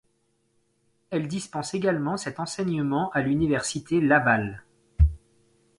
Elle dispense également cet enseignement à l'Université Laval.